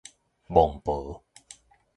蠓婆